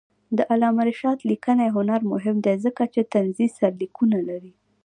د علامه رشاد لیکنی هنر مهم دی ځکه چې طنزي سرلیکونه لري.